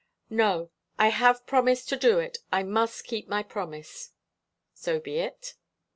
"No. I have promised to do it. I must keep my promise." "So be it."